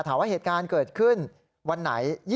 ถามว่าเหตุการณ์เกิดขึ้นวันไหน